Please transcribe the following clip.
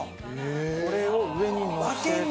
これを上にのせて。